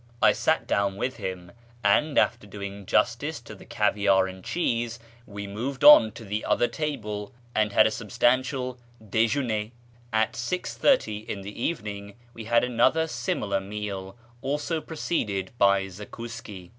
So I sat down with them ; and, after doing justice to the caviare and cheese, we moved on to the other table and had a substantial dejeuner. At 6.30 in the evening we had another similar meal, also preceded by Zakouski.